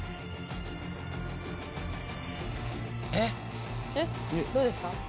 えっ⁉どうですか？